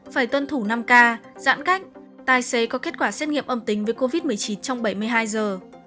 phải tuân thủ năm k giãn cách tài xế có kết quả xét nghiệm âm tính với covid một mươi chín trong bảy mươi hai giờ